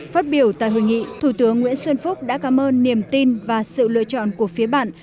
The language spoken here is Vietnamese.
phát biểu tại hội nghị thủ tướng nguyễn xuân phúc đã cảm ơn niềm tin và sự lựa chọn của phía bạn